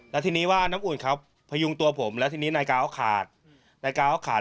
แล้วทีนี้ว่าน้ำอุ่นครับพยุงตัวผมแล้วทีนี้นายกาวขาดนายกาวขาด